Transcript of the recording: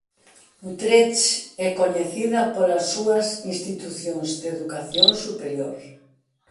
Utrecht é coñecida polas súas institucións de educación superior.